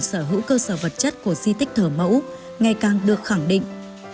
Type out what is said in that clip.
sở hữu cơ sở vật chất của di tích thờ mẫu ngày càng được khẳng định